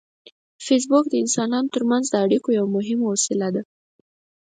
فېسبوک د انسانانو ترمنځ د اړیکو یو مهم وسیله ده